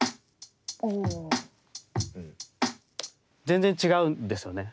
全然違うんですよね。